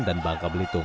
dan bangka belitung